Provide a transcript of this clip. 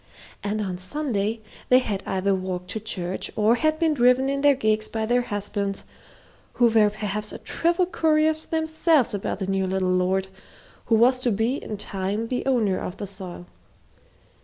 And on Sunday they had either walked to church or had been driven in their gigs by their husbands, who were perhaps a trifle curious themselves about the new little lord who was to be in time the owner of the soil.